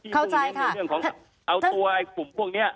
เข้าใจค่ะเรื่องของของเอาตัวไอ้ผุ่มพวกเนี้ย